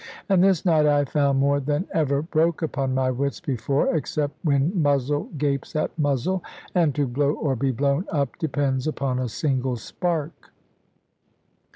And this night I found more than ever broke upon my wits before, except when muzzle gapes at muzzle, and to blow or be blown up depends upon a single spark.